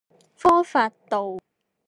科發道